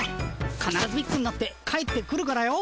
かならずビッグになって帰ってくるからよ。